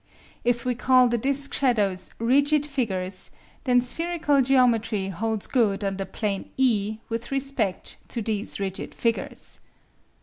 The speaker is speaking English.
If we call the disc shadows rigid figures, then spherical geometry holds good on the plane E with respect to these rigid figures.